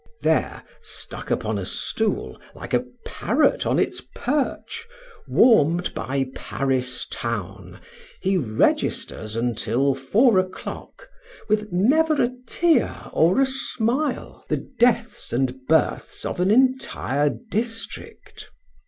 There, stuck upon a stool, like a parrot on its perch, warmed by Paris town, he registers until four o'clock, with never a tear or a smile, the deaths and births of an entire district.